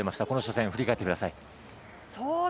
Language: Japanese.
この初戦を振り返ってください。